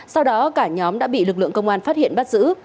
sau đó cả nhóm đã bị lực lượng công an phát hiện bắt giữ